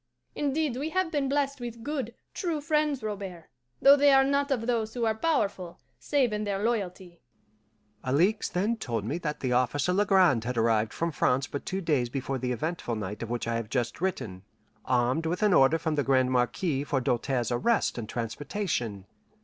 Indeed, we have been blessed with good, true friends, Robert, though they are not of those who are powerful, save in their loyalty." Alixe then told me that the officer Legrand had arrived from France but two days before the eventful night of which I have just written, armed with an order from the Grande Marquise for Doltaire's arrest and transportation.